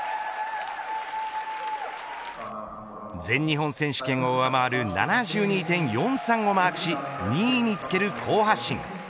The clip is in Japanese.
全日本選手権を上回る７２．４３をマークし２位につける好発進。